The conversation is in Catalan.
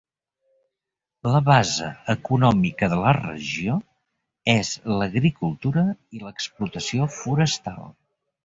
La base econòmica de la regió és l'agricultura i l'explotació forestal.